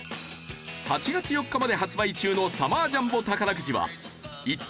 ８月４日まで発売中のサマージャンボ宝くじは１等